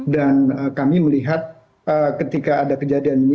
dan kami melihat ketika ada kejadian ini